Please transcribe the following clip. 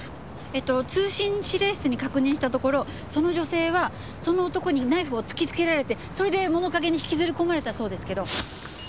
えっと通信指令室に確認したところその女性はその男にナイフを突きつけられてそれで物陰に引きずり込まれたそうですけど。